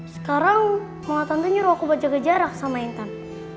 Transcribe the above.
sekarang malah tante nyuruh aku buat jaga jarak sama intan